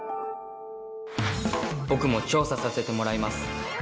僕も調査させてもらいます